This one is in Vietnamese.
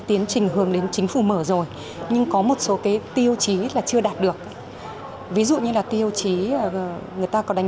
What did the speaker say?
tiến trình hướng đến chính phủ mở rồi nhưng có một số tiêu chí chưa đạt được ví dụ người ta có đánh